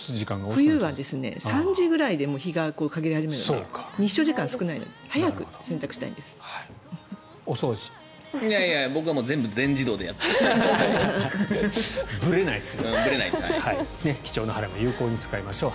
冬は３時ぐらいで日が陰り始めるので日照時間が少ないので早く洗濯したいんです。